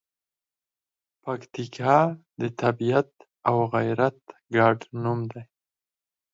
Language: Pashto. پکتیکا د طبیعت او غیرت ګډ نوم دی.